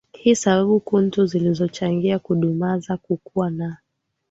hii Sababu kuntu zilizochangia kudumaza kukua na